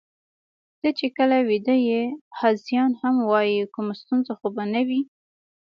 ته چې کله ویده یې، هذیان هم وایې، کومه ستونزه خو به نه وي؟